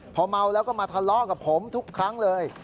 พอเมาแล้วก็มาทะเลาะกับผมทุกครั้งเลย